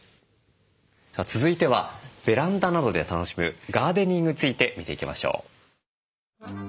さあ続いてはベランダなどで楽しむガーデニングについて見ていきましょう。